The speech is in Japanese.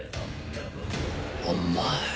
お前。